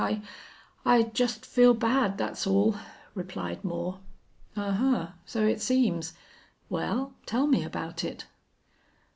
I I just feel bad, that's all," replied Moore. "Ahuh! So it seems. Well, tell me about it?"